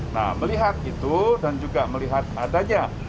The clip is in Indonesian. nah melihat itu dan juga melihat adanya